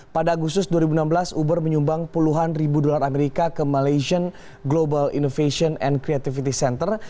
pada agustus dua ribu enam belas uber menyumbang puluhan ribu dolar amerika ke malaysian global innovation and creativity center